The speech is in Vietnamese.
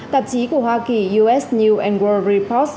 tạp chí của hoa kỳ us news world report